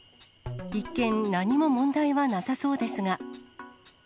一見、何も問題はなさそうですが。